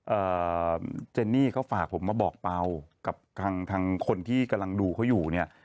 เอ่อเจนนี่เขาฝากผมมาบอกเปล่ากับทางทางคนที่กำลังดูเขาอยู่เนี่ย